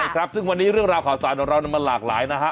ใช่ครับซึ่งวันนี้เรื่องราวข่าวสารของเรามันหลากหลายนะฮะ